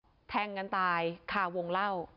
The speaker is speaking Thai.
แต่รึเปล่าแทงกันตายคาวงเหล้า